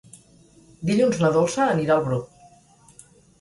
Dilluns na Dolça anirà al Bruc.